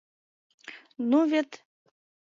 Ну вет...